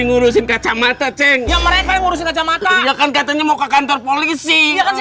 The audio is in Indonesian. ngurusin kacamata ceng ngurusin kacamata katanya mau ke kantor polisi